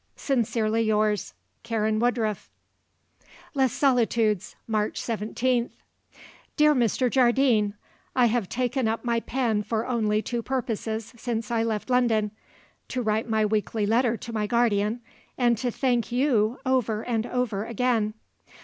Sincerely yours, "Karen Woodruff." "Les Solitudes, "March 17th. "Dear Mr. Jardine, I have taken up my pen for only two purposes since I left London to write my weekly letter to my guardian and to thank you over and over again.